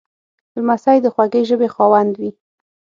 لمسی د خوږې ژبې خاوند وي.